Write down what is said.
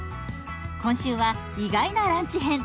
今週は意外なランチ編。